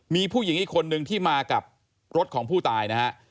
มีผู้หญิงอีกคนนึงที่มากับรถของผู้ตายนะฮะ